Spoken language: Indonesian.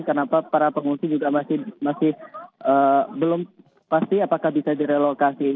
karena para pengungsi juga masih belum pasti apakah bisa direlokasi